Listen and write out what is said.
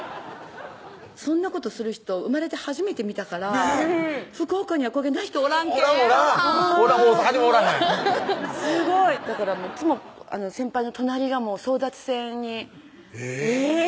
そんなことする人生まれて初めて見たから福岡にはこげな人おらんけんおらんおらん大阪にもおらへんだからいつも先輩の隣がもう争奪戦にえぇ！